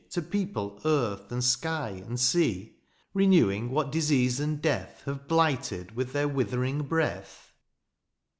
To people earth, and sky, and sea, " Renewing what disease and death, " Have blighted with their withering breath